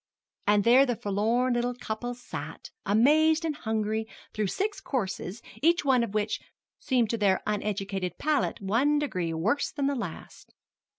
And there the forlorn little couple sat, amazed and hungry, through six courses, each one of which seemed to their uneducated palate one degree worse than the last.